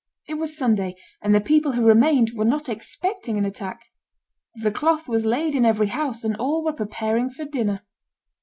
It was Sunday, and the people who remained were not expecting an attack; "the cloth was laid in every house, and all were preparing for dinner."